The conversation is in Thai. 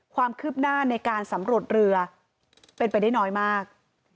ความคืบหน้าในการสำรวจเรือเป็นไปได้น้อยมาก